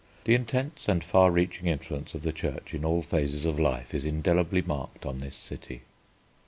The intense and far reaching influence of the Church in all phases of life is indelibly marked on this city.